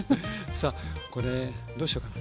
さあこれどうしようかな。